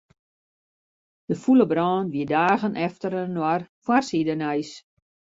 De fûle brân wie dagen efterinoar foarsidenijs.